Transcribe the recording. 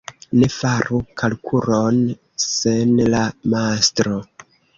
Ne faru kalkulon sen la mastro.